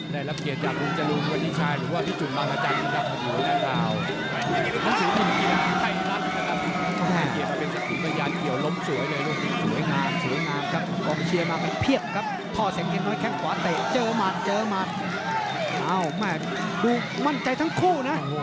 ดูตัวเน้นน้อยแข่งขวาเตะเจอมันไม่มั่นใจทั้งคู่